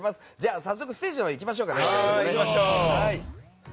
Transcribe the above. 早速、ステージのほうに行きましょうかね。